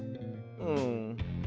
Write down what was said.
うん。